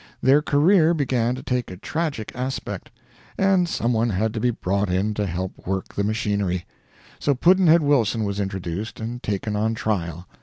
Their career began to take a tragic aspect, and some one had to be brought in to help work the machinery; so Pudd'nhead Wilson was introduced and taken on trial.